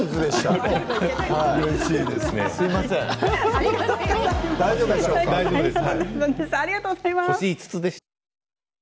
ありがとうございます。